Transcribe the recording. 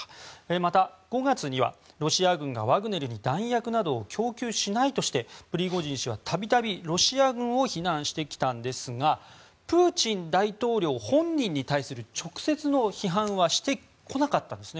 また、５月にはロシア軍がワグネルに弾薬などを供給しないとしてプリゴジン氏は度々ロシア軍を非難してきたんですがプーチン大統領本人に対する直接の批判はしてこなかったんですね。